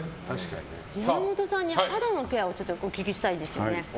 山本さんに肌のケアをお聞きしたいんですよね。